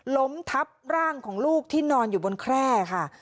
ล้มทับร่างของลูกที่นอนอยู่บนแคร่ค่ะ